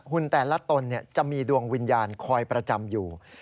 แต่ละตนจะมีดวงวิญญาณคอยประจำอยู่